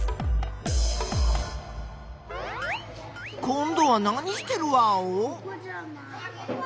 こんどは何してるワオ？